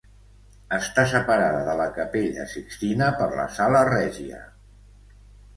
Està separada de la Capella Sixtina per la Sala Regia.